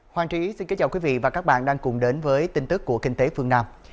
hoàng trí xin kính chào quý vị và các bạn đang cùng đến với tin tức của kinh tế phương nam